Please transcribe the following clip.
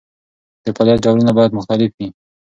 د فعالیت ډولونه باید مختلف وي.